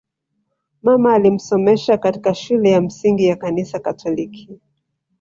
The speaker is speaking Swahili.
Mama alimsomesha katika shule ya msingi ya Kanisa Katoliki